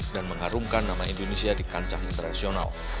dan mengharumkan nama indonesia di kancah internasional